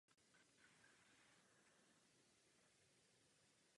Značnou část dospělého života tak strávil v zahraničí.